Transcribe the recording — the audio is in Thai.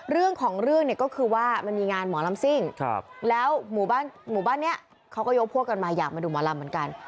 เรื่องของเรื่องเนี่ยก็คือว่ามันมีงานหมอลำซิ่งแล้วหมู่บ้านหมู่บ้านนี้เขาก็ยกพวกกันมาอยากมาดูหมอลำเหมือนกัน